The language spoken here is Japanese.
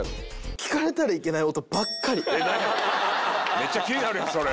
めっちゃ気になるよそれ。